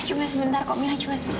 cuma sebentar kak mila cuma sebentar